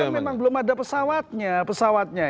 memang belum ada pesawatnya